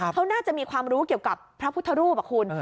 เขาน่าจะมีความรู้เกี่ยวกับพระพุทธรูปคุณ